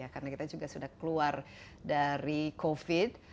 karena kita juga sudah keluar dari covid